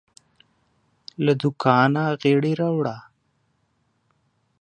له دوکانه غیړي راوړه